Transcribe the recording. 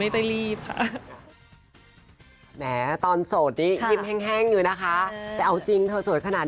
ใช่ค่ะเหมือนเดิมค่ะ